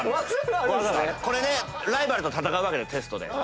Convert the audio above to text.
これライバルと戦うわけテストで。